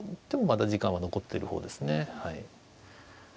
でもまだ時間は残っている方ですね。